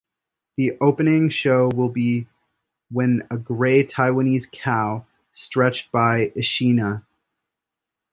The opening show will be When a Gray Taiwanese Cow Stretched, by Ishinha.